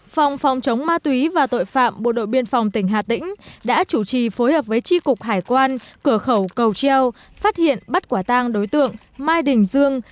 phòng phòng chống ma túy và tội phạm bộ đội biên phòng tỉnh hà tĩnh đã chủ trì phối hợp với tri cục hải quan cửa khẩu cầu treo phát hiện bắt quả tang đối tượng mai đình dương